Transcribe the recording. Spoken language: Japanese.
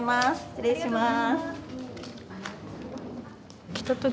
失礼します。